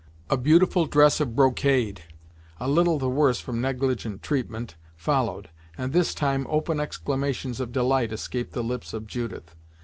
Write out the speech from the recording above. A beautiful dress of brocade, a little the worse from negligent treatment, followed, and this time open exclamations of delight escaped the lips of Judith.